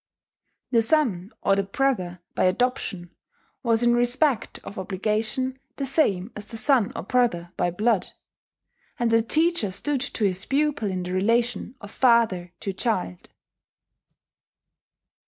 The son or the brother by adoption was in respect of obligation the same as the son or brother by blood; and the teacher stood to his pupil in the relation of father to child.